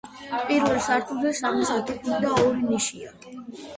პირველ სართულზე სამი სათოფური და ორი ნიშია.